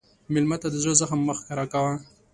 مېلمه ته د زړه زخم مه ښکاره کوه.